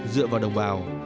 dựa vào đồng bào